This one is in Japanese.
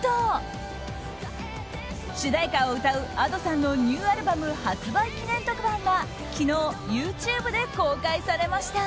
主題歌を歌うＡｄｏさんのニューアルバム発売記念特番が昨日、ＹｏｕＴｕｂｅで公開されました。